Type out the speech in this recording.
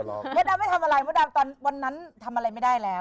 เพชรดำไม่ทำอะไรมดดำตอนวันนั้นทำอะไรไม่ได้แล้ว